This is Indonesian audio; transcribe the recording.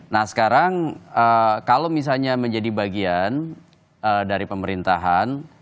nah sekarang kalau misalnya menjadi bagian dari pemerintahan